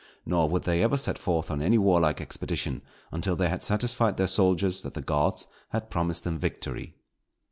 Nor would they ever set forth on any warlike expedition, until they had satisfied their soldiers that the gods had promised them victory.